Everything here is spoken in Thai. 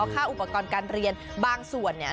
ค่าอุปกรณ์การเรียนบางส่วนเนี่ย